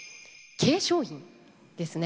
桂昌院ですね。